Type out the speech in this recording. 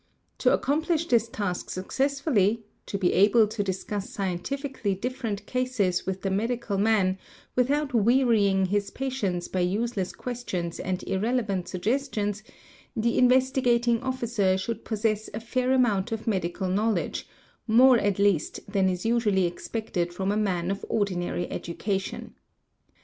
To accomplish this task successfully, to be able to discuss scientifically different cases with the medical man without wearying his patience by useless questions and irrelevant sugges tions, the Investigating Officer should possess a fair amount of medical knowledge, more at least than is usually expected from a man of ordinary | education.